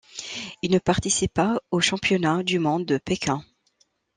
Il ne participe pas aux Championnats du monde de Pékin.